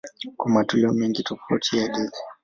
Kuna matoleo mengi tofauti ya hadithi.